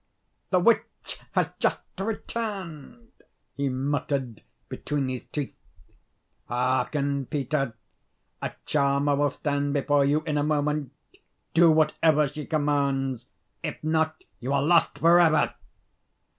"The witch has just returned," he muttered between his teeth. "Hearken, Peter: a charmer will stand before you in a moment; do whatever she commands; if not you are lost forever."